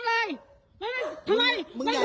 ทำร้ายมึงอยากจะรู้เปล่า